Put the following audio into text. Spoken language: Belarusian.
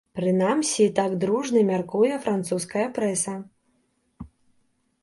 Прынамсі так дружна мяркуе французская прэса.